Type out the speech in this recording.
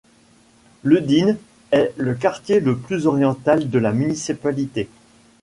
Ledine est le quartier le plus oriental de la municipalité.